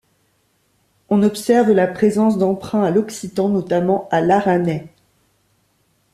On observe la présence d'emprunts à l'occitan, notamment à l’aranais.